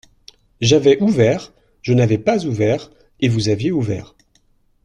J’avais ouvert, je n’avais pas ouvert, et vous aviez ouvert.